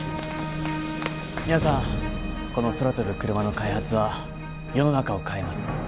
皆さんこの空飛ぶクルマの開発は世の中を変えます。